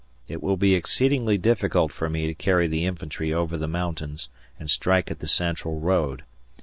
It will be exceedingly difficult for me to carry the infantry over the mountains and strike at the Central road.